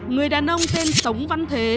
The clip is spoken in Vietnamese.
người đàn ông tên tống văn thế